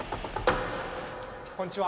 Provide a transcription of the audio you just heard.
こんにちは。